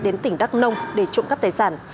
đến tỉnh đắk nông để trộm cắp tài sản